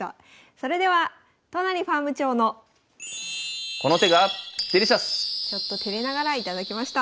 それでは都成ファーム長のちょっとてれながら頂きました。